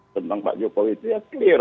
tentang pak jokowi itu ya clear